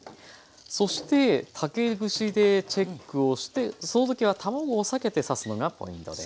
そして竹串でチェックをしてその時は卵を避けて刺すのがポイントです。